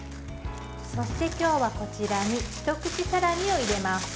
そして、今日はこちらに一口サラミを入れます。